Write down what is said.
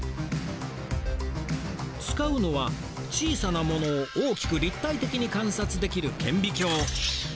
使うのは小さなものを大きく立体的に観察できる顕微鏡。